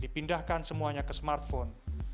dipindahkan semuanya ke smartphone